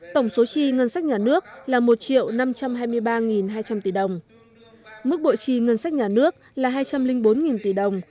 tổng số chi ngân sách nhà nước là một ba trăm một mươi chín hai trăm linh tỷ đồng